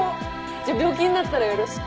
じゃあ病気になったらよろしく。